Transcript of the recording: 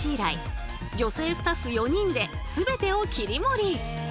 女性スタッフ４人で全てを切り盛り。